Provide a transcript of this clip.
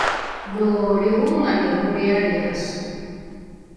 lo lriho’ongali holrialriase